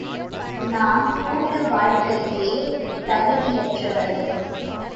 நாம் கூட்டு வாழ்க்கைக்கே தகுதியற்றவர்கள்.